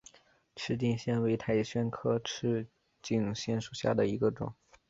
赤茎藓为塔藓科赤茎藓属下的一个种。